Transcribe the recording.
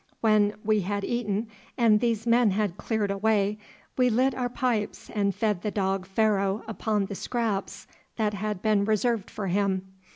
When we had eaten and these men had cleared away, we lit our pipes and fed the dog Pharaoh upon the scraps that had been reserved for him.